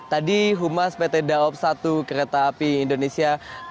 tadi humas pt daob satu kereta api indonesia